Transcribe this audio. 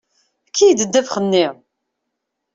Efk-iyi-d ddabex-nni!